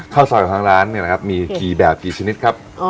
ข้าวซอยของทางร้านเนี่ยนะครับมีกี่แบบกี่ชนิดครับ